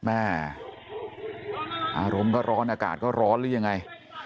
แม่อารมณ์ก็ร้อนอากาศก็ร้อนหรือยังไง